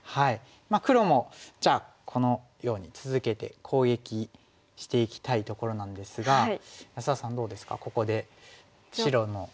黒もじゃあこのように続けて攻撃していきたいところなんですが安田さんどうですかここで白の。